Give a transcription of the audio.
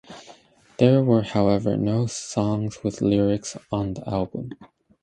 There were, however, no songs with lyrics on the album.